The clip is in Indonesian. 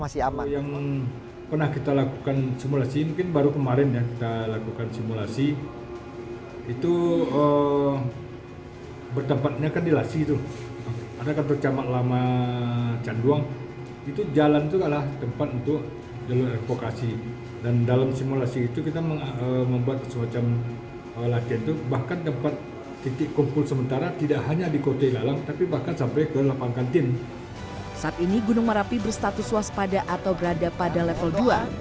saat ini gunung marapi berstatus waspada atau berada pada level dua